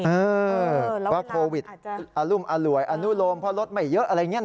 เออว่าโควิดอรุมอร่วยอนุโลมเพราะรถไม่เยอะอะไรอย่างนี้นะ